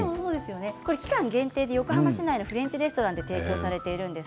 期間限定で横浜市内のフレンチレストランで提供されています。